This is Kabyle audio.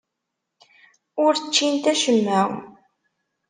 Ur ččint acemma.